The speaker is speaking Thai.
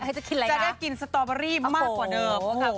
จะได้กินสตอเบอรี่มากกว่าเดิม